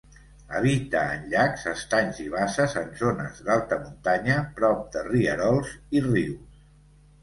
Habita en llacs, estanys i basses en zones d'alta muntanya, prop de rierols i rius.